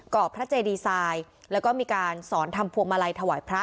พระเจดีไซน์แล้วก็มีการสอนทำพวงมาลัยถวายพระ